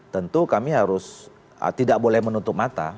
tentu kami harus tidak boleh menutup mata